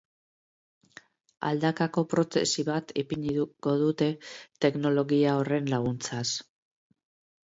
Aldakako protesi bat ipiniko dute teknologia horren laguntzaz.